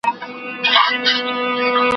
بازاريانو اصلي ارزښت نه و پېژندی.